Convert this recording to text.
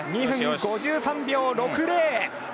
２分５３秒６０！